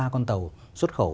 một mươi ba con tàu xuất khẩu